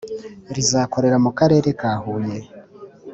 rizakorera mu Karere ka Huye.